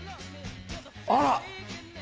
あら！